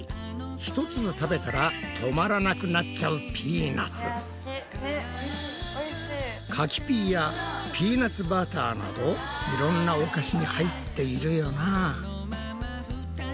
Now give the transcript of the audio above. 一粒食べたら止まらなくなっちゃう柿ピーやピーナツバターなどいろんなお菓子に入っているよな！